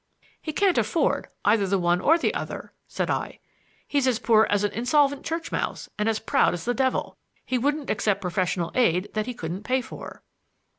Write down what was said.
"He can't afford either the one or the other," said I. "He's as poor as an insolvent church mouse and as proud as the devil. He wouldn't accept professional aid that he couldn't pay for."